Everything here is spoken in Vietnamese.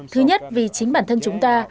thứ nhất vì chính bản thân chúng ta